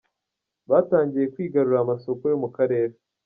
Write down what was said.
Batangiye kwigarurira amasoko yo mu karere.